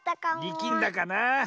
りきんだかな。